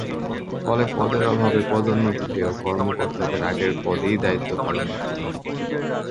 ফলে পদের অভাবে পদোন্নতি পেয়েও কর্মকর্তাদের আগের পদেই দায়িত্ব পালন করতে হবে।